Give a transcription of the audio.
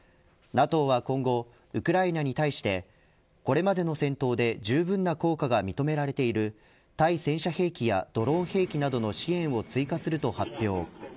ＮＡＴＯは今後ウクライナに対してこれまでの戦闘でじゅうぶんな効果が認められている対戦車兵器やドローン兵器などの支援を追加すると発表。